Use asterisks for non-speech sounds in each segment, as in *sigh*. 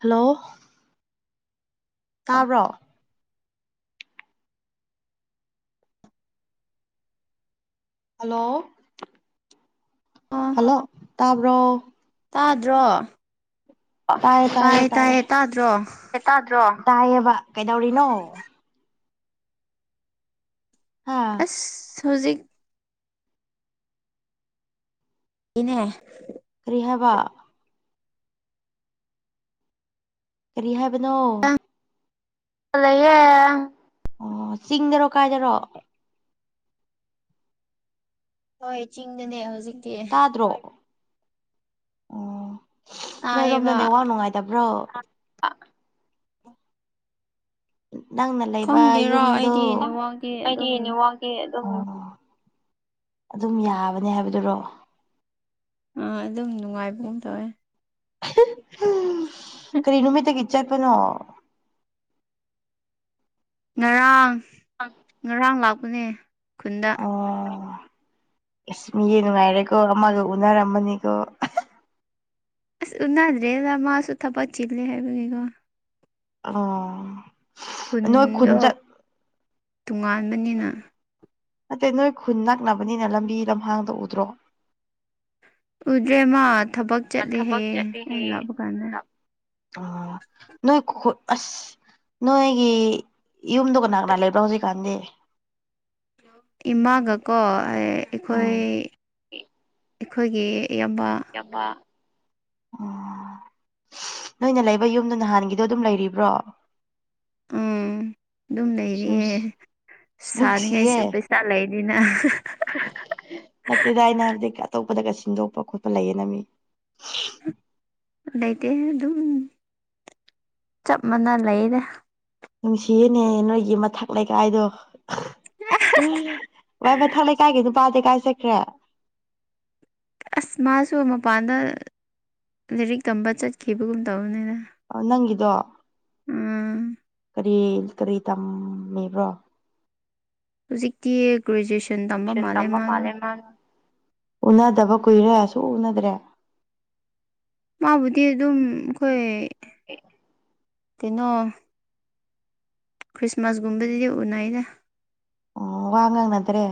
Hello ꯇꯥꯕꯔꯣ hello ꯑꯥ ꯑꯣ ꯇꯕ꯭ꯔꯣ ꯇꯥꯗ꯭ꯔꯣ ꯑꯣ ꯇꯥꯏꯌꯦ ꯇꯥꯏꯌꯦ ꯇꯥꯏꯌꯦ ꯇꯥꯗ꯭ꯔꯣ ꯇꯥꯏꯌꯦꯕ ꯀꯩꯗꯧꯔꯤꯅꯣ ꯍꯥ ꯑꯁ ꯍꯧꯖꯤꯛ ꯏꯅꯦ ꯀ꯭ꯔꯤ ꯍꯥꯏꯕ ꯀꯔꯤ ꯍꯥꯏꯕꯅꯣ ꯂꯩꯌꯦ ꯑꯣ ꯆꯤꯡꯗꯥꯔꯣ ꯀꯥꯏꯗꯥꯔꯣ ꯍꯣꯏ ꯆꯤꯡꯗꯅꯦ ꯍꯧꯖꯤꯛ ꯇꯥꯗ꯭ꯔꯣ ꯑꯣ ꯅꯣꯏꯔꯣꯝꯗ ꯇꯥꯏꯌꯦꯕ ꯅꯦꯋꯥꯛ ꯅꯨꯡꯉꯥꯏ ꯇꯥꯕ꯭ꯔꯣ ꯅꯪꯅ ꯂꯩꯕ ꯈꯪꯗꯦꯔꯣ ꯌꯨꯝꯗꯣ ꯑꯩꯗꯤ ꯅꯦꯠꯋꯥꯛꯇꯤ ꯑꯩꯗꯤ ꯑꯗꯨꯝ ꯅꯦꯋꯥꯛ ꯀꯤ ꯑꯗꯨꯝ ꯌꯥꯕꯅꯦ ꯍꯥꯏꯕꯗꯨꯔꯣ ꯑꯥ ꯑꯗꯨꯝ ꯅꯨꯡꯉꯥꯏꯕꯒꯨꯝ ꯇꯧꯋꯦ ꯀꯔꯤ ꯅꯨꯃꯤꯇꯒꯤ ꯆꯠꯄꯅꯣ ꯉꯔꯥꯡ ꯑ ꯉꯔꯥꯡ ꯂꯥꯛꯄꯅꯦ ꯈꯨꯟꯗ ꯑꯣ ꯑꯁ ꯃꯤꯗꯤ ꯅꯨꯡꯉꯥꯏꯔꯦꯀꯣ ꯑꯃꯒ ꯎꯅꯔꯝꯃꯅꯤꯀꯣ ꯑꯁ ꯎꯅꯥꯗ꯭ꯔꯦꯗꯥ ꯃꯥꯁꯨ ꯊꯕꯛ ꯆꯤꯜꯂꯦ ꯍꯥꯏꯕꯅꯤꯀꯣ ꯑꯣ ꯅꯣꯏ ꯈꯨꯟ ꯈꯨꯟꯗꯣ ꯆꯠ ꯇꯣꯉꯥꯟꯕꯅꯤꯅ ꯅꯠꯇꯦ ꯅꯣꯏ ꯈꯨꯟ ꯅꯛꯅꯕꯅꯤꯅ ꯂꯝꯕꯤ ꯂꯝꯍꯥꯡꯗ ꯎꯗ꯭ꯔꯣ ꯎꯗ꯭ꯔꯦ ꯃꯥ ꯊꯕꯛ ꯆꯠꯂꯦ ꯊꯕꯛ ꯍꯌꯦ ꯑꯩꯅ ꯂꯥꯛꯄ ꯀꯥꯟꯗ ꯑ ꯅꯣꯏ ꯈꯨꯠ ꯑꯁ ꯅꯣꯏꯒꯤ ꯌꯨꯝꯗꯣ ꯀꯅꯥ ꯀꯅꯥ ꯂꯩꯕ꯭ꯔꯣ ꯍꯧꯖꯤꯛꯀꯥꯟꯗꯤ ꯏꯃꯥꯒꯀꯣ ꯑꯩꯈꯣꯏ__ ꯎꯝ ꯑꯩꯈꯣꯏꯒꯤ ꯏꯌꯥꯝꯕ *unintelligible* ꯅꯣꯏꯅ ꯂꯩꯕ ꯌꯨꯝꯗꯣ ꯅꯍꯥꯟꯒꯤꯗꯣ ꯑꯗꯨꯝ ꯂꯩꯔꯤꯕ꯭ꯔꯣ ꯎꯝ ꯑꯗꯨꯝ ꯂꯩꯔꯤꯌꯦ ꯅꯨꯡꯁꯤ ꯅꯨꯡꯁꯤꯌꯦ ꯁꯥꯅꯤꯉꯥꯏꯁꯨ ꯄꯩꯁꯥ ꯁꯥ ꯂꯩꯔꯤꯅ ꯅꯠꯇꯦꯗ ꯑꯩꯅ ꯍꯥꯏꯕꯗꯤ ꯑꯇꯣꯞꯄꯗꯒ ꯁꯤꯟꯗꯣꯛꯄ ꯈꯣꯠꯄ ꯂꯩꯌꯦꯅ ꯃꯤ ꯂꯩꯇꯦ ꯗꯨꯝ ꯆꯞ ꯃꯥꯟꯅ ꯂꯩꯌꯦꯗ ꯅꯨꯡꯁꯤꯌꯦꯅꯦ ꯅꯣꯏꯒꯤ ꯃꯊꯛ ꯂꯩꯀꯥꯏꯗꯣ ꯎꯝ ꯋꯥꯏ ꯃꯊꯥ ꯂꯩꯀꯥꯏꯒꯤ ꯅꯨꯄꯥꯗꯤ ꯀꯥꯏ ꯆꯠꯈ꯭ꯔꯦ ꯑꯁ ꯃꯥꯁꯨ ꯃꯄꯥꯟꯗ ꯂꯥꯏꯔꯤꯛ ꯇꯝꯕ ꯆꯠꯈꯤꯕꯒꯨꯝ ꯇꯧꯕꯅꯤꯗ ꯅꯪꯒꯤꯗꯣ ꯎꯝ ꯀꯔꯤ ꯀꯔꯤ ꯇꯝꯃꯤꯕ꯭ꯔꯣ ꯍꯧꯖꯤꯛꯇꯤ ꯒ꯭ꯔꯦꯖꯨꯑꯦꯁꯟ ꯇꯝꯕ ꯃꯥꯜꯂꯦ ꯃꯥꯗꫭ ꯎꯅꯗꯕ ꯀꯨꯏꯔꯦ ꯁꯨꯎ ꯎꯅꯗ꯭ꯔꯦ ꯃꯥꯕꯨꯗꯤ ꯑꯗꯨꯝ ꯑꯩꯈꯣꯏ ꯍ *unintelligible* ꯇꯤꯅꯣ ꯈ꯭ꯔꯤꯁꯃꯥꯁꯒꯨꯝꯕꯗꯤ ꯎꯅꯩꯗ ꯑꯣ ꯋꯥ ꯉꯥꯡꯅꯗ꯭ꯔꯦ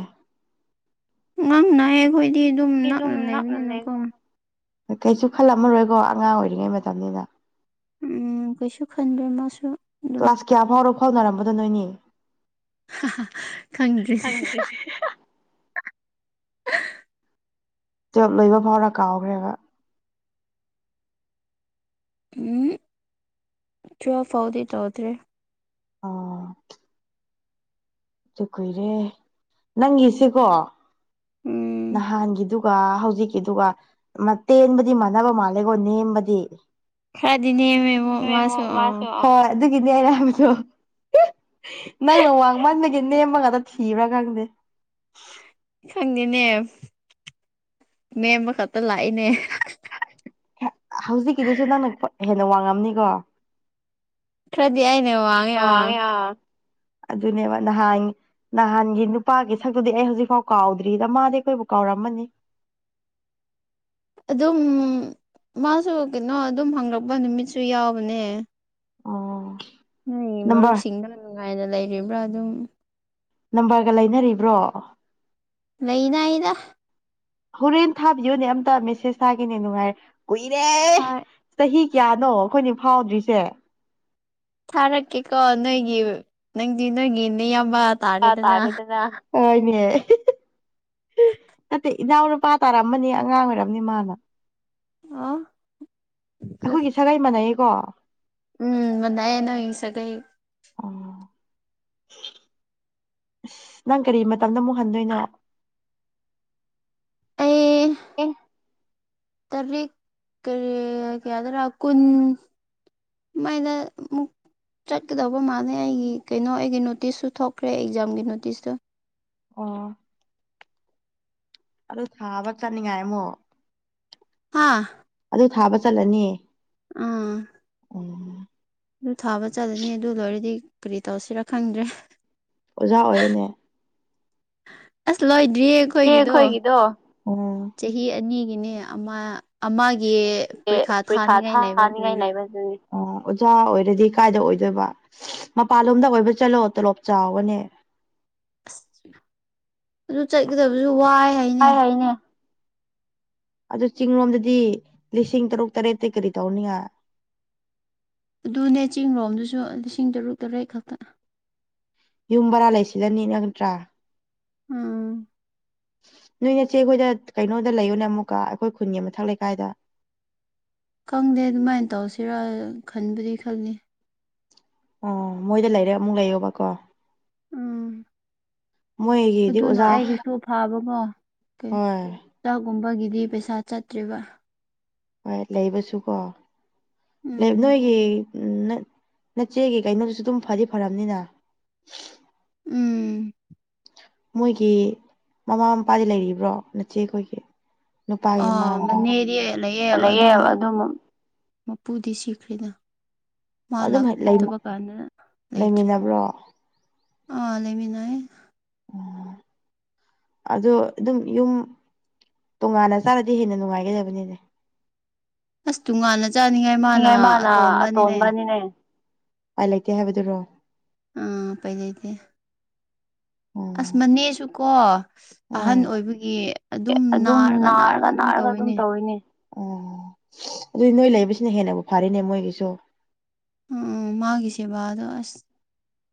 ꯉꯥꯡꯅꯩ ꯑꯩꯈꯣꯏꯗꯤ ꯑꯗꯨꯝ ꯅꯛꯅ ꯂꯩꯕꯅꯤꯅꯀꯣ ꯀꯩꯁꯨ ꯈꯜꯂꯝꯃꯔꯣꯏꯀꯣ ꯑꯉꯥꯡ ꯑꯣꯏꯔꯤꯉꯩ ꯃꯇꯝꯅꯤꯅ ꯎꯝ ꯀꯩꯁꯨ ꯈꯟꯗ꯭ꯔꯦ ꯃꯥꯁꯨ ꯑꯗꯨꯝ ꯀ꯭ꯂꯥꯁ ꯀꯌꯥ ꯐꯥꯎꯔꯣ ꯐꯥꯎꯅꯔꯝꯕꯗꯣ ꯅꯣꯏꯅꯤ ꯈꯪꯗ꯭ꯔꯤ ꯈꯪꯗꯔꯤ ꯇꯨꯋꯦꯜ ꯂꯣꯏꯕ ꯐꯥꯎꯔ ꯀꯥꯎꯈ꯭ꯔꯦꯕ ꯎꯝ ꯇꯨꯋꯦꯜꯐ ꯐꯥꯎꯗꯤ ꯇꯧꯗ꯭ꯔꯤ ꯑꯥ ꯇꯨ ꯀꯨꯏꯔꯦ ꯅꯪꯒꯤꯁꯤ ꯀꯣ ꯎꯝ ꯅꯍꯥꯟꯒꯤꯗꯨꯒ ꯍꯧꯖꯤꯛꯀꯤꯗꯨꯒ ꯃ ꯇꯦꯟꯕꯗꯤ ꯃꯥꯟꯅꯕ ꯃꯥꯜꯂꯦꯀꯣ ꯅꯦꯝꯕꯗꯤ ꯈꯔꯗꯤ ꯅꯦꯝꯃꯦꯕꯨ ꯃꯥꯁꯨ ꯑ ꯍꯣꯏ ꯑꯗꯨꯒꯤꯅꯦ ꯑꯩꯅꯥ ꯍꯥꯏꯕꯗꯣ *unintelligible* ꯅꯪꯅ ꯋꯥꯡꯃꯟꯕ ꯅꯦꯝꯕ ꯉꯥꯛꯇ ꯊꯤꯕ꯭ꯔꯥ ꯈꯪꯗꯦ ꯈꯪꯗꯦꯅꯦ ꯅꯦꯝꯕ ꯈꯛꯇ ꯂꯥꯛꯑꯦꯅꯦ ꯍ ꯍꯧꯖꯤꯛꯀꯤꯗꯨꯁꯨ ꯅꯪꯅ ꯄ ꯍꯦꯟꯅ ꯋꯥꯡꯉꯝꯅꯤꯀꯣ ꯋꯥꯡꯉꯦ ꯑꯥ ꯑꯗꯨꯅꯦꯕ ꯅꯍꯥꯟ ꯅꯍꯥꯟꯒꯤ ꯅꯨꯄꯥꯒꯤ ꯁꯛꯇꯨꯗꯤ ꯍꯦ ꯍꯧꯖꯤꯛꯐꯥꯎ ꯀꯥꯎꯗ꯭ꯔꯤꯗ ꯃꯥꯗꯤ ꯑꯩꯈꯣꯏꯕꯨ ꯀꯥꯎꯔꯝꯃꯅꯤ ꯑꯗꯨꯝ ꯃꯥꯁꯨ ꯀꯩꯅꯣ ꯑꯗꯨꯝ ꯍꯪꯂꯛꯄ ꯅꯨꯃꯤꯠꯁꯨ ꯌꯥꯎꯕꯅꯦ ꯑꯣ ꯅꯣꯏꯒꯤ ꯅꯝꯕꯔ ꯃꯔꯨꯞꯁꯤꯡꯗꯨꯅ ꯅꯨꯡꯉꯥꯏꯅ ꯂꯩꯔꯤꯕ꯭ꯔꯥ ꯑꯗꯨꯝ ꯅꯝꯕꯔꯒ ꯂꯩꯅꯔꯤꯕ꯭ꯔꯣ ꯑꯣ ꯂꯩꯅꯩꯗ ꯍꯣꯔꯦꯟ ꯊꯥꯕꯤꯌꯣꯅꯦ ꯑꯝꯇ ꯃꯦꯁꯦꯁ ꯊꯥꯒꯦꯅꯦ ꯅꯨꯉꯥꯏ ꯀꯨꯏꯔꯦ ꯍꯣꯏ ꯆꯍꯤ ꯀꯌꯥꯅꯣ ꯑꯩꯈꯣꯏꯅꯤ ꯐꯥꯎꯗ꯭ꯔꯤꯁꯦ ꯊꯥꯔꯛꯀꯦꯀꯣ ꯅꯣꯏꯒꯤ ꯅꯪꯗꯤ ꯅꯣꯏꯒꯤ ꯅꯌꯥꯝꯕꯥ ꯑꯥ ꯇꯥꯔꯦꯗꯅ ꯍꯣꯏꯅꯦ *unintelligible* ꯅꯠꯇꯦ ꯏꯅꯥꯎꯅꯨꯄꯥ ꯇꯥꯔꯝꯃꯅꯤ ꯑꯉꯥꯡ ꯑꯣꯏꯔꯝꯅꯤ ꯃꯥꯅ ꯑꯥ ꯑꯩꯈꯣꯏꯒꯤ ꯁꯥꯒꯩ ꯃꯥꯟꯅꯩꯌꯦꯀꯣ ꯎꯝ ꯃꯅꯩꯌꯦ ꯅꯣꯏ ꯁꯒꯩ ꯑꯣ ꯑꯁ ꯅꯪ ꯀꯔꯤ ꯃꯇꯝꯗ ꯑꯃꯨꯛ ꯍꯟꯗꯣꯏꯅꯣ ꯑꯩ ꯑꯦ ꯇꯔꯤꯛ ꯀꯔꯤ ꯀꯌꯥꯗꯔ ꯀꯨꯟ ꯃꯥꯏꯅ ꯑꯃꯨꯛ ꯆꯠꯀꯗꯧꯕ ꯃꯥꯜꯂꯦ ꯑꯩꯒꯤ ꯀꯩꯅꯣ ꯑꯩꯒꯤ ꯅꯣꯇꯤꯁꯁꯨ ꯊꯣꯛꯈ꯭ꯔꯦ ꯑꯦꯛꯖꯥꯝꯒꯤ ꯅꯣꯇꯤꯁꯇꯣ ꯑꯣ ꯑꯗꯨ ꯊꯥꯕ ꯆꯠꯅꯤꯡꯉꯥꯏ ꯑꯃꯨꯛ ꯍꯥꯥꯑ ꯑꯗꯨ ꯊꯥꯕ ꯆꯠꯂꯅꯤ ꯑꯥ ꯎꯝ ꯗꯨ ꯊꯥꯕ ꯆꯠꯂꯅꯤ ꯑꯗꯨ ꯂꯣꯏꯔꯗꯤ ꯀꯔꯤ ꯇꯧꯁꯤꯔ ꯈꯪꯗ꯭ꯔꯦ ꯑꯣꯖꯥ ꯑꯣꯏꯌꯨꯅꯦ ꯑꯁ ꯂꯣꯏꯗ꯭ꯔꯤꯌꯦ ꯑꯩꯈꯣꯏꯒꯤꯗꯣ ꯑꯣ ꯆꯍꯤ ꯑꯅꯤꯒꯤꯅꯦ ꯑꯃ ꯑꯃꯒꯤ ꯄ꯭ꯔꯤꯈꯥ ꯊꯥꯅꯤꯉꯥꯏ ꯂꯩꯕꯗꯨꯅꯤ *inaudible* ꯑ ꯑꯣꯖꯥ ꯑꯣꯏꯔꯗꯤ ꯀꯥꯏꯗ ꯑꯣꯏꯗꯣꯏꯕ ꯃꯄꯥꯜꯂꯣꯝꯗ ꯑꯣꯏꯕ ꯆꯠꯂꯣ ꯇꯣꯂꯣꯞ ꯆꯥꯎꯕꯅꯦ ꯑꯁ ꯑꯗꯨ ꯆꯠꯀꯗꯕꯁꯨ ꯋꯥꯏ ꯍꯥꯏꯅꯦ ꯑꯥꯏ ꯍꯩꯅꯦ ꯑꯗꯨ ꯆꯤꯡꯔꯣꯝꯗꯗꯤ ꯂꯤꯁꯤꯡ ꯇꯔꯨꯛ ꯇꯔꯦꯠꯇꯤ ꯀꯔꯤ ꯇꯧꯅꯤꯉꯥ ꯑꯗꯨꯅꯦ ꯆꯤꯡꯔꯣꯝꯗꯁꯨ ꯂꯤꯁꯤꯡ ꯇꯔꯨꯛ ꯇꯔꯦꯠ ꯈꯛꯇ ꯑꯍ ꯌꯨꯝ ꯕꯔꯥ ꯂꯩꯁꯤꯜꯂꯅꯤ ꯅꯠꯇ꯭ꯔ ꯎꯝ ꯅꯣꯏ ꯅꯆꯦ ꯈꯣꯏꯗ ꯀꯩꯅꯣꯗ ꯂꯩꯌꯣꯅ ꯑꯃꯨꯛꯀ ꯑꯩꯈꯣꯏ ꯈꯨꯟꯒꯤ ꯃꯊꯛ ꯂꯩꯀꯥꯏꯗ ꯈꯪꯗꯦ ꯑꯗꯨꯃꯥꯏꯟ ꯇꯧꯁꯤꯔꯥ ꯈꯟꯕꯗꯤ ꯈꯜꯂꯤ ꯑꯥ ꯃꯣꯏꯗ ꯂꯩꯔꯥ ꯑꯃꯨꯛ ꯂꯩꯌꯣꯕꯀꯣ ꯎꯝ ꯃꯣꯏꯒꯤꯗꯤ ꯑꯗꯨꯅ ꯑꯣꯖꯥ ꯑꯩꯒꯤꯁꯨ ꯐꯥꯕꯀꯣ ꯍꯣꯏ ꯇꯥꯛꯒꯨꯝꯕꯒꯤꯗꯤ ꯄꯩꯁꯥ ꯆꯠꯇ꯭ꯔꯤꯕ ꯍꯣꯏ ꯂꯩꯕꯁꯨꯀꯣ ꯂꯩꯕ ꯎꯝ ꯅꯣꯏꯒꯤ ꯎꯝ ꯅ ꯅꯆꯦꯒꯤ ꯀꯩꯅꯣꯗꯨꯁꯨ ꯑꯗꯨꯝ ꯐꯗꯤ ꯐꯔꯝꯅꯤꯅ ꯎꯝ ꯃꯣꯏꯒꯤ ꯃꯃꯥ ꯃꯄꯥꯗꯤ ꯂꯩꯔꯤꯕ꯭ꯔꯣ ꯅꯆꯦ ꯈꯣꯏꯒꯤ ꯅꯨꯄꯥꯒꯤ ꯑꯥ ꯃꯅꯦꯗꯤ *unintelligible* ꯑꯗꯨ ꯂꯩꯌꯦ ꯑꯗꯨꯝ ꯃꯄꯨꯗꯤ ꯁꯤꯈ꯭ꯔꯦꯅꯥ ꯃꯥ ꯑꯗꯨꯝ ꯂꯥꯛꯇꯕ ꯀꯥꯟꯗꯅ ꯂꯩꯇ꯭ꯔꯤ ꯂꯩꯃꯤꯟꯅꯕ꯭ꯔꯣ ꯑꯥ ꯂꯩꯃꯤꯟꯅꯩ *unintelligible* ꯑꯗꯣ ꯑꯗꯨꯝ ꯌꯨꯝ ꯇꯣꯉꯥꯟꯅ ꯆꯥꯔꯗꯤ ꯍꯦꯟꯅ ꯅꯨꯡꯉꯥꯏꯒꯗꯕꯅꯤꯅꯦ ꯑꯁ ꯇꯨꯡꯉꯥꯟꯅ ꯆꯥꯅꯤꯡꯉꯥꯏ ꯍꯥꯏꯅꯤꯡꯉꯥꯏ ꯃꯥꯅ ꯑꯇꯣꯟꯕꯅꯤꯅꯦ ꯎꯄꯥꯏ ꯂꯩꯇꯦ ꯍꯥꯏꯕꯗꯨꯔꯣ ꯎꯝ ꯎꯄꯥꯏ ꯂꯩꯇꯦ ꯑꯁ ꯎꯝ ꯃꯅꯦꯁꯨꯀꯣ ꯑꯍꯟ ꯎꯝ ꯑꯣꯏꯕꯒꯤ ꯑꯗꯨꯝ ꯅꯥꯔꯒ ꯅꯥꯔꯒ ꯑꯗꯨꯝ ꯇꯧꯋꯤꯅꯦ ꯑꯣ ꯑꯗꯨꯗꯤ ꯅꯣꯏ ꯂꯩꯕꯁꯤꯅ ꯍꯦꯟꯅꯕꯨ ꯐꯔꯦꯅꯦ ꯃꯣꯏꯒꯤꯁꯨ ꯎꯝ ꯃꯥꯒꯤ ꯁꯦꯕꯥꯗꯣ ꯑꯁ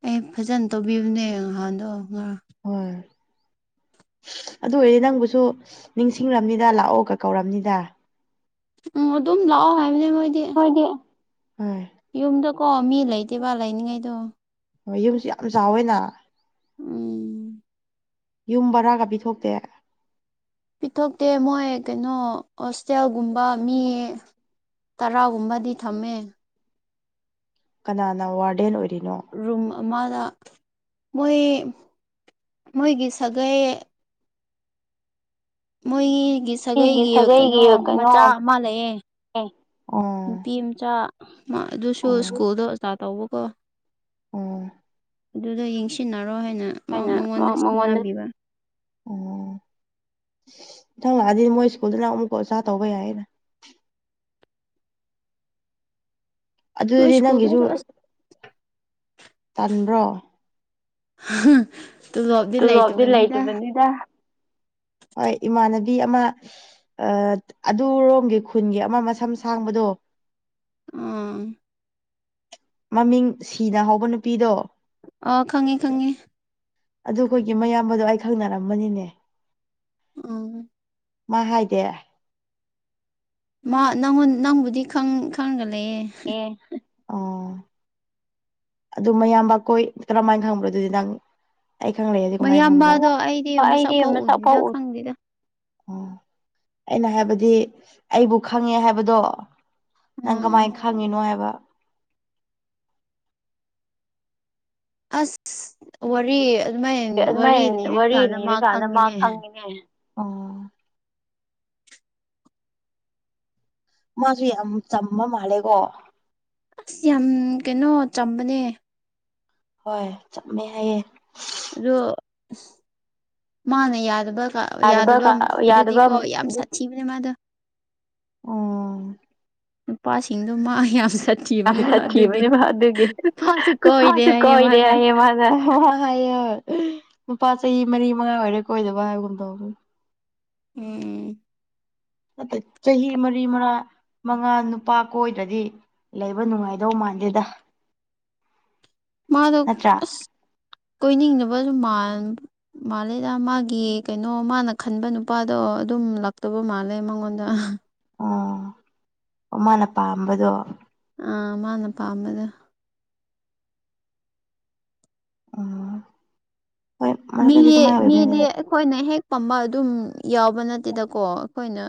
ꯑꯩ ꯐꯖꯅ ꯇꯧꯕꯤꯕꯅꯦ ꯉꯍꯥꯟꯗꯣ ꯉꯔꯥꯡ ꯍꯣꯏ ꯑꯗꯨ ꯑꯣꯏꯔꯗꯤ ꯅꯪꯕꯨꯁꯨ ꯅꯤꯡꯁꯤꯡꯂꯝꯅꯤꯗ ꯂꯥꯛꯑꯣꯒ ꯀꯧꯔꯝꯅꯤꯗ ꯎꯝ ꯑꯗꯨꯝ ꯂꯥꯛꯑꯣ ꯍꯥꯏꯕꯅꯦ ꯃꯣꯏꯗꯤ ꯍꯣꯏꯗꯤ *unintelligible* ꯌꯨꯝꯗꯨꯀꯣ ꯃꯤ ꯂꯩꯇꯦꯕ ꯂꯩꯅꯤꯡꯉꯩꯗꯣ ꯑꯣ ꯌꯨꯝꯁꯤ ꯌꯥꯝ ꯆꯥꯎꯋꯦꯅ ꯎꯝ ꯌꯨꯝ ꯕꯔꯥꯒ ꯄꯤꯊꯣꯛꯇꯦ ꯄꯤꯊꯣꯛꯇꯦ ꯃꯣꯏ ꯀꯩꯅꯣ ꯍꯣꯁꯇꯦꯜꯒꯨꯝꯕ ꯃꯤ ꯇꯔꯥꯒꯨꯝꯕꯗꯤ ꯊꯝꯃꯦ ꯀꯅꯥꯅ ꯋꯥꯔꯗꯦꯟ ꯑꯣꯏꯔꯤꯅꯣ ꯔꯨꯝ ꯑꯃꯗ ꯃꯣꯏ ꯃꯣꯏꯒꯤ ꯁꯥꯒꯩ ꯃꯨꯏꯒꯤ ꯁꯥꯒꯩꯒꯤ ꯀꯩꯅꯣ ꯃꯆꯥ ꯑꯃ ꯂꯩꯌꯦ ꯑꯗꯨ ꯅꯨꯄꯤ ꯃꯆꯥ ꯃꯥ ꯑꯗꯨꯁꯨ ꯁ꯭ꯀꯨꯜꯗ ꯑꯣꯖꯥ ꯇꯧꯕꯀꯣ ꯑꯣ ꯑꯗꯨꯗꯣ ꯌꯦꯡꯁꯤꯟꯅꯔꯣ ꯍꯥꯏꯅ ꯍꯥꯏꯅ ꯃꯉꯣꯟꯗ ꯑꯣ ꯃꯊꯪ ꯂꯥꯛꯑꯗꯤ ꯃꯣꯏ ꯁ꯭ꯀꯨꯜꯗꯨꯅ ꯑꯃꯨꯛꯀ ꯑꯣꯖꯥ ꯇꯧꯕ ꯌꯥꯏꯌꯦꯅ ꯅꯣꯏ ꯑꯗꯨꯗꯤ ꯅꯪꯒꯤꯖꯨ ꯁ꯭ꯀꯨꯜꯗꯨꯁꯨ ꯑꯁ ꯇꯟꯕ꯭ꯔꯣ *unintelligible* ꯇꯣꯂꯣꯞꯗꯤ ꯂꯩꯇꯕꯅꯤꯗ ꯍꯣꯏ ꯏꯃꯥꯟꯅꯕꯤ ꯑꯃ ꯑ ꯑꯗꯨꯔꯣꯝꯒꯤ ꯈꯨꯟꯒꯤ ꯑꯃ ꯃꯁꯝ ꯁꯥꯡꯕꯗꯣ ꯎꯝ ꯃꯃꯤꯡ ꯁꯤꯅ ꯍꯧꯕ ꯅꯨꯄꯤꯗꯣ ꯑ ꯈꯪꯉꯦ ꯈꯪꯉꯦ ꯑꯗꯨꯈꯣꯏꯒꯤ ꯃꯌꯥꯝꯕꯗꯣ ꯑꯩ ꯈꯪꯅꯔꯝꯕꯅꯤꯅꯦ ꯎꯝ ꯃꯥ ꯍꯥꯏꯗꯦ ꯃꯥ ꯅꯪ-ꯅꯪꯉꯣꯜ-ꯅꯪꯕꯨꯗꯤ ꯈꯪꯉꯒ ꯂꯩꯌꯦ ꯑꯣ ꯑꯗꯨ ꯃꯌꯥꯝꯕ ꯀꯣꯏ ꯀꯔꯝꯃꯥꯏꯅ ꯈꯪꯕ꯭ꯔꯣ ꯑꯗꯨꯗꯤ ꯅꯪ ꯑꯩ ꯈꯪꯪꯂꯛꯑꯗꯤ ꯀꯃꯥꯏꯅ ꯈꯪꯕ꯭ꯔ, ꯑꯩꯗꯤ ꯃꯁꯛ ꯐꯥꯎ ꯎ ꯎꯝ ꯑꯩꯅ ꯍꯥꯏꯕꯗꯤ ꯑꯩꯕꯨ ꯈꯪꯉꯦ ꯍꯥꯏꯕꯗꯣ ꯅꯪ ꯎꯝ ꯀꯃꯥꯏꯅ ꯈꯪꯉꯤꯅꯣ ꯍꯥꯏꯕ ꯑꯁ ꯋꯥꯔꯤ ꯑꯗꯨꯃꯥꯏꯅ ꯋꯥꯔꯤ ꯑꯗꯨꯃꯥꯏ ꯋꯥꯔꯤ ꯂꯤꯔꯀꯥꯟꯗ ꯂꯤꯔꯀꯥꯟꯗ ꯃꯥ ꯈꯪꯉꯤꯅꯦ ꯎ ꯃꯥꯁꯨ ꯌꯥꯝ ꯆꯝꯕ ꯃꯥꯜꯂꯦꯀꯣ ꯑꯁ ꯌꯥꯝ ꯀꯩꯅꯣ ꯆꯝꯕꯅꯦ ꯍꯣꯏ ꯆꯠꯃꯦ ꯍꯥꯏꯌꯦ ꯑꯗꯣ ꯃꯥꯅ ꯌꯥꯗꯕꯒ ꯌꯥꯗꯕ ꯌꯥꯗꯕꯝ ꯑꯗꯨꯗꯤ ꯌꯥꯗꯕ ꯀꯣ ꯌꯥꯝ ꯁꯠ ꯊꯤꯕꯅꯦ ꯃꯥꯗꯣ ꯌꯥꯝ ꯅꯨꯄꯥꯁꯤꯡꯗꯣ ꯃꯥ ꯌꯥꯝ ꯁꯠ ꯌꯥꯝ ꯁꯊꯤꯕꯅꯦ ꯃꯥ ꯑꯗꯨꯒꯤ ꯅꯨꯄꯥꯁꯨ ꯀꯣꯏꯗꯦ ꯅꯨꯐꯥꯁꯨ ꯍꯥꯏꯌꯦ ꯀꯣꯏꯗꯦ ꯃꯥꯅ ꯃꯥꯖꯣ *unintelligible* ꯅꯨꯄꯥ ꯆꯍꯤ ꯃꯔꯤ ꯃꯉꯥ ꯑꯣꯏꯔꯦ ꯀꯣꯏꯗꯕ ꯍꯥꯏꯒꯨꯝꯇꯧꯕꯅꯤ꯫ ꯎꯝ ꯅꯠꯇꯦ ꯆꯍꯤ ꯃꯔꯤ ꯃꯔꯥ ꯃꯉꯥ ꯅꯨꯄꯥ ꯀꯣꯏꯗ꯭ꯔꯗꯤ ꯂꯩꯕ ꯅꯨꯡꯉꯥꯏꯗꯧ ꯃꯥꯟꯗꯦꯗ ꯃꯥꯗꯣ ꯅꯠꯇ꯭ꯔꯥ ꯑꯁ ꯀꯣꯏꯅꯤꯡꯅꯗꯕꯁꯨ ꯃꯟꯕ ꯃꯥꯜꯂꯦꯗ ꯃꯥꯒꯤ ꯀꯩꯅꯣ ꯃꯥꯅ ꯈꯟꯕ ꯅꯨꯄꯥꯗꯣ ꯑꯗꯨꯝ ꯂꯥꯛꯇꯕ ꯃꯥꯜꯂꯦ ꯃꯉꯣꯟꯗ ꯑꯣ ꯃꯥꯅ ꯄꯥꯝꯕꯗꯣ ꯑ ꯃꯥꯅ ꯄꯥꯝꯕꯗꯣ ꯎꯝ ꯍꯣꯏ ꯃꯤ ꯃꯔꯛꯇꯗꯤ ꯑꯗꯨꯃꯥꯏ ꯃꯤꯗꯤ ꯑꯣꯏꯕꯅꯤ ꯑꯩꯈꯣꯏꯅ ꯍꯦꯛ ꯄꯝꯕ ꯑꯗꯨꯝ ꯌꯥꯎꯕ ꯅꯠꯇꯦꯗꯀꯣ ꯑꯩꯈꯣꯏꯅ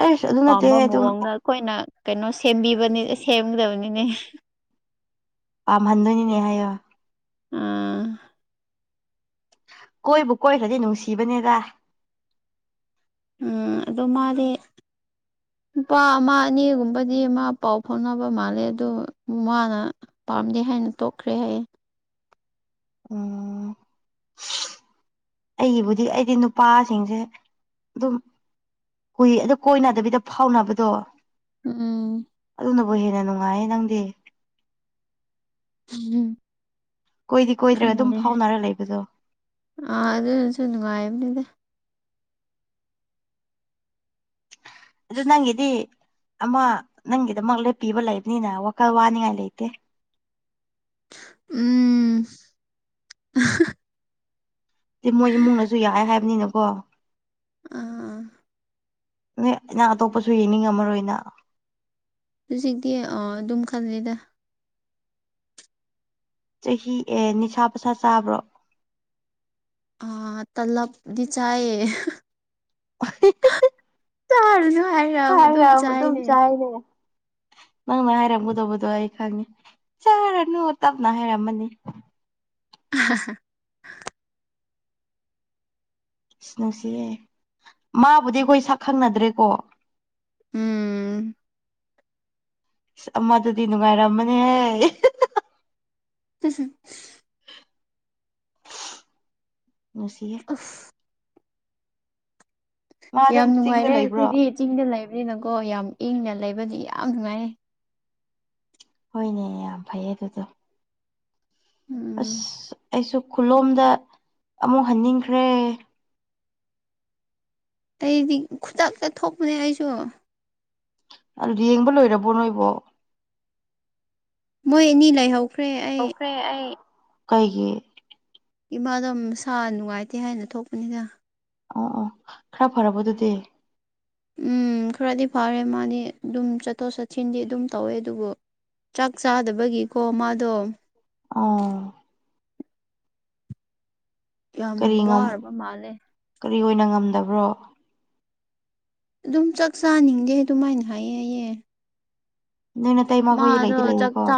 ꯑꯩꯁ ꯑꯗꯨ ꯄꯥꯝꯕ ꯅꯠꯇꯦꯍꯦ ꯑꯗꯨꯝ ꯃꯑꯣꯡꯗ ꯑꯩꯈꯣꯏꯅ ꯀꯩꯅꯣ ꯁꯦꯝꯕꯤꯕꯅꯤ ꯁꯦꯝꯒꯗꯕꯅꯤꯅꯦ ꯄꯥꯝꯍꯟꯗꯣꯏꯅꯤꯅꯦ ꯍꯥꯏꯌꯣ *unintelligible* ꯀꯣꯏꯕꯨ ꯀꯣꯏꯈ꯭ꯔꯗꯤ ꯅꯨꯡꯁꯤꯕꯅꯦꯗ ꯎꯝ ꯑꯗꯣ ꯃꯥꯗꯤ ꯅꯨꯄꯥ ꯑꯃ ꯑꯅꯤꯒꯨꯝꯕꯗꯤ ꯃꯥ ꯄꯥꯎ ꯐꯥꯎꯅꯕ ꯃꯥꯜꯂꯦ ꯑꯗꯨ ꯃꯥꯅ ꯄꯥꯝꯗꯦ ꯍꯥꯏꯅ ꯇꯣꯛꯈ꯭ꯔꯦ ꯍꯥꯏꯌꯦ ꯎꯝ ꯑꯩꯒꯤꯕꯨꯗꯤ ꯑꯩꯗꯤ ꯅꯨꯄꯥꯁꯤꯡꯁꯦ ꯑꯗꯨꯝ ꯍꯨꯏ ꯑꯗ ꯀꯣꯏꯅꯗꯕꯤꯗ ꯐꯥꯎꯅꯕꯗꯣ ꯎꯝ ꯑꯗꯨꯅꯕꯨ ꯍꯦꯟꯅ ꯅꯨꯡꯉꯥꯏꯌꯦ ꯅꯪꯗꯤ *unintelligible* ꯀꯣꯏꯗꯤ ꯀꯣꯏꯗ꯭ꯔꯒ ꯑꯗꯨꯝ ꯈꯪꯗꯦ ꯐꯥꯎꯅꯔ ꯂꯩꯕꯗꯣ ꯑꯥ ꯑꯗꯨꯅꯁꯨ ꯅꯨꯡꯉꯥꯏꯕꯅꯤꯗ ꯑꯗꯨ ꯅꯪꯒꯤꯗꯤ ꯑꯃ ꯅꯪꯒꯤꯗꯃꯛ ꯂꯦꯞꯄꯤꯕ ꯂꯩꯕꯅꯤꯅ ꯋꯥꯈꯜ ꯋꯥꯅꯤꯡꯉꯥꯏ ꯂꯩꯇꯦ ꯎꯝ *unintelligible* ꯇꯤꯃꯣꯏ ꯏꯃꯨꯡꯅꯁꯨ ꯌꯥꯑꯦ ꯍꯥꯏꯕꯅꯤꯅꯀꯣ ꯑꯥ ꯅꯩ ꯅꯪ ꯑꯇꯣꯞꯄꯁꯨ ꯌꯦꯡꯅꯤꯡꯉꯝꯃꯔꯣꯏꯅ ꯍꯧꯖꯤꯛꯇꯤ ꯑ ꯑꯗꯨꯝ ꯈꯜꯂꯤꯗ ꯆꯍꯤ ꯑꯦ ꯅꯤꯁꯥ ꯄꯁꯥ ꯆꯥꯕ꯭ꯔꯣ ꯑꯥ ꯇꯥꯂꯞꯗꯤ ꯆꯥꯏꯌꯦ *unintelligible* ꯇꯥꯔꯨꯅꯨ ꯍꯥꯏꯔ ꯑꯗꯨꯝ ꯆꯥꯏꯅꯦ ꯅꯪꯅ ꯍꯥꯏꯔꯝꯒꯗꯕꯗꯣ ꯑꯩ ꯈꯪꯉꯦ ꯆꯥꯔꯅꯨ ꯇꯞꯅ ꯍꯥꯏꯔꯝꯃꯅꯤ *unintelligible* ꯅꯨꯁꯤꯌꯦ ꯃꯥꯕꯨꯗꯤ ꯑꯩꯈꯣꯏ ꯁꯛ ꯈꯪꯅꯗ꯭ꯔꯦꯀꯣ ꯎꯝ ꯑꯃꯗꯨꯗꯤ ꯅꯨꯡꯉꯥꯏꯔꯝꯃꯅꯦꯍꯦ *unintelligible* ꯅꯨꯡꯁꯤꯌꯦ *inaudible* ꯃꯥ ꯌꯥꯝ ꯑꯗꯨꯝ ꯆꯤꯡꯗ ꯅꯨꯡꯉꯥꯏꯔꯦ ꯂꯩꯕ꯭ꯔꯣ ꯑꯩꯈꯣꯏꯗꯤ ꯆꯤꯡꯗ ꯂꯩꯕꯅꯤꯅꯀꯣ ꯌꯥꯝ ꯏꯪꯅ ꯂꯩꯕꯗꯤ ꯌꯥꯝ ꯅꯨꯡꯉꯥꯏꯔꯦ ꯍꯣꯏꯅꯦ ꯌꯥꯝ ꯐꯩ ꯑꯗꯨꯗꯣ ꯎꯝ ꯑꯁ ꯑꯩꯁꯨ ꯈꯨꯂꯣꯝꯗ ꯑꯃꯨꯛ ꯍꯟꯅꯤꯡꯈ꯭ꯔꯦ ꯑꯩꯗꯤ ꯈꯨꯗꯛꯇ ꯊꯣꯛꯄꯅꯦ ꯑꯩꯁꯨ ꯑꯗꯨꯗꯤ ꯌꯦꯡꯕ ꯂꯣꯏꯔꯕꯣ ꯅꯣꯏꯕꯣ ꯃꯣꯏ ꯑꯦꯅꯤ ꯂꯩꯍꯧ ꯍꯧꯈ꯭ꯔꯦ ꯑꯩ ꯀꯩꯒꯤ ꯏꯃꯥꯗꯣ ꯃꯁꯥ ꯅꯨꯡꯉꯥꯏꯇꯦ ꯍꯥꯏꯅ ꯊꯣꯛꯄꯅꯤꯗ ꯑꯣ ꯑꯣ ꯈꯔ ꯐꯔꯕꯣ ꯑꯗꯨꯗꯤ ꯎꯝ ꯈꯔꯗꯤ ꯐꯥꯔꯦ ꯃꯥꯗꯤ ꯑꯗꯨꯝ ꯆꯠꯊꯣꯛ ꯆꯠꯁꯤꯟꯗꯤ ꯑꯗꯨꯝ ꯇꯧꯋꯦ ꯑꯗꯨꯕꯨ ꯆꯥꯛ ꯆꯥꯗꯕꯒꯤꯀꯣ ꯃꯥꯗꯣ ꯎꯝ ꯌꯥꯝ ꯀꯔꯤ ꯋꯥꯔꯕ ꯃꯥꯜꯂꯦ ꯀꯔꯤ ꯑꯣꯏꯅ ꯉꯝꯗꯕ꯭ꯔꯣ ꯑꯗꯨꯝ ꯆꯥꯛ ꯆꯥꯅꯤꯡꯗꯦ ꯑꯗꯨꯃꯥꯏꯅ ꯍꯥꯏꯌꯦ ꯍꯥꯏꯌꯦ ꯅꯣꯏ ꯅꯠꯇꯩꯃꯥ ꯈꯣꯏꯗꯤ ꯃꯥꯗꯣ ꯂꯩꯗꯤ ꯆꯥꯛ ꯂꯩꯌꯦꯀꯣ ꯆꯥ